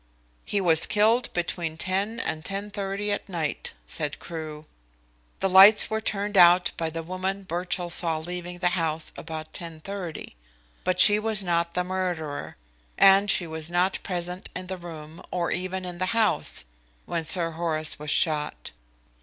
"He was killed between 10 and 10.30 at night," said Crewe. "The lights were turned out by the woman Birchill saw leaving the house about 10.30. But she was not the murderer, and she was not present in the room, or even in the house, when Sir Horace was shot.